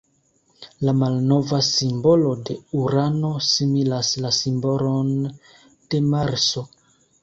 La malnova simbolo de Urano similas la simbolon de Marso.